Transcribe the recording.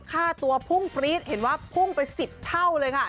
ค่าตัวพุ่งปรี๊ดเห็นว่าพุ่งไป๑๐เท่าเลยค่ะ